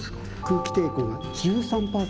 空気抵抗が１３％。